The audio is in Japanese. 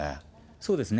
そうですね。